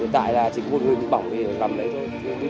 hiện tại là chỉ có một người bị bỏng thì gặp lầy thôi